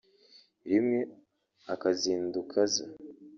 rimwe akazinduka aza